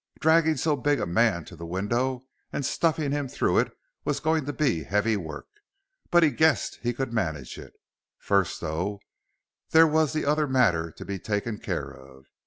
Dragging so big a man to the window and stuffing him through it was going to be heavy work, but he guessed he could manage it. First, though, there was the other matter to be taken care of.